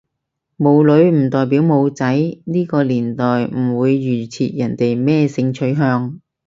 冇女唔代表冇仔，呢個年代唔會預設人哋咩性取向